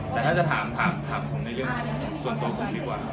แต่ถ้าจะถามผมในเรื่องส่วนตัวผมดีกว่า